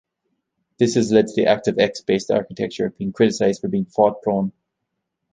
This has led to the ActiveX-based architecture being criticized for being fault-prone.